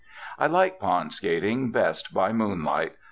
I like pond skating best by moonlight.